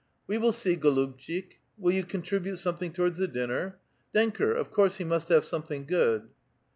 " We w^ill see, goluhtchik; will you contribute something towards the dinner? Denker — of course he must have something good."